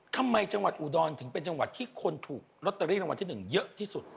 จังหวัดอุดรถึงเป็นจังหวัดที่คนถูกลอตเตอรี่รางวัลที่๑เยอะที่สุด